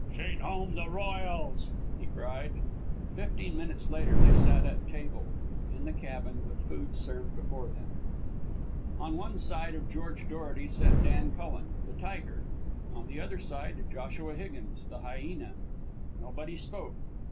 "Sheet home the royals!" he cried. Fifteen minutes later they sat at table, in the cabin, with food served before them. On one side of George Dorety sat Dan Cullen, the tiger, on the other side, Joshua Higgins, the hyena. Nobody spoke.